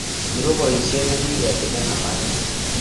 Ni ko boisiet ne kiketilena maget